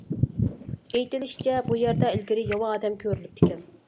ئېيتىلىشىچە، بۇ يەردە ئىلگىرى ياۋا ئادەم كۆرۈلۈپتىكەن.